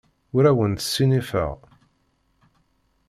Ur awent-ssinifeɣ.